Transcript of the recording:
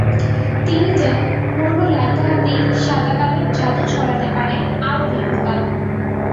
তিনি যেন পুরোনো লাইকা হাতেই সাদাকালোর জাদু ছড়াতে পারেন আরও দীর্ঘকাল।